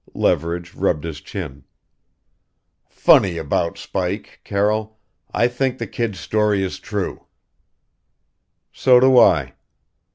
Leverage rubbed his chin. "Funny about Spike, Carroll I think the kid's story is true." "So do I."